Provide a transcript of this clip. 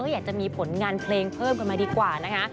อยากจะมีผลงานเพลงเพิ่มกันมาดีกว่านะคะ